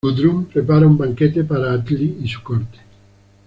Guðrún prepara un banquete para Atli y su corte.